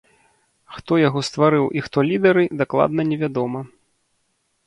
Хто яго стварыў і хто лідары, дакладна невядома.